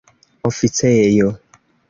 oficejo